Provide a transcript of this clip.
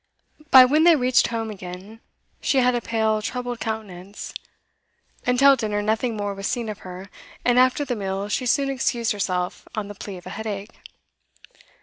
By when they reached home again, she had a pale troubled countenance. Until dinner nothing more was seen of her, and after the meal she soon excused herself on the plea of a headache.